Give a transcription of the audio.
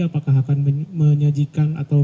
apakah akan menyajikan atau